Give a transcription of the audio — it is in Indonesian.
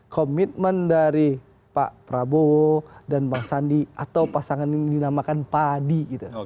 komitmen dari pak prabowo dan bang sandi atau pasangan yang dinamakan padi